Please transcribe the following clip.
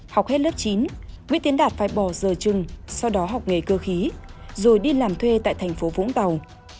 học hết lớp chín nguyễn tiến đạt phải bỏ giờ trừng sau đó học nghề cơ khí rồi đi làm thuê tại thành phố vũng tàu